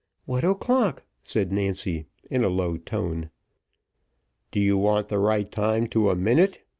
"What's o'clock?" said Nancy, in a low tone. "Do you want the right time to a minute?"